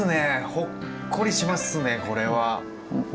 ほっこりしますねこれは。